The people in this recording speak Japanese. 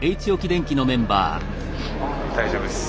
大丈夫です。